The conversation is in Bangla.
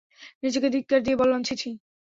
নিজকে ধিক্কার দিয়ে বললাম, ছি ছি!